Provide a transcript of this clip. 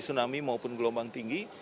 tsunami maupun gelombang tinggi